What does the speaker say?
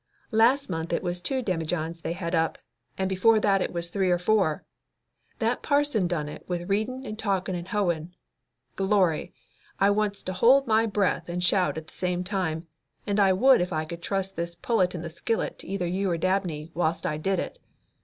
"Last month it was two demijohns they had up, and before that it was three or four. That parson done it with readin' and talkin' and hoein'. Glory! I wants to hold my breath and shout at the same time, and I would if I could trust this pullet in the skillet to either you or Dabney whilst I did it.